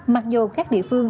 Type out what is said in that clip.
mặc dù các địa phương